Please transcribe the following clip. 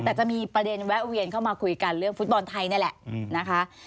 แต่จะมีประเด็นแวะเวียนเข้ามาคุยกันเรื่องฟุตบอลไทยนี่แหละนะคะ